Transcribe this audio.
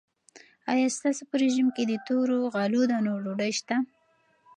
آیا ستاسو په رژیم کې د تورو غلو دانو ډوډۍ شته؟